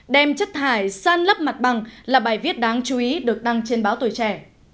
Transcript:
đem chất thải san lấp mặt bằng là bài viết đáng chú ý được đăng trên báo tuổi trẻ